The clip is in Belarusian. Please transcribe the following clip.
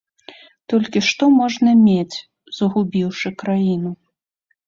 Толькі што можна мець, згубіўшы краіну?!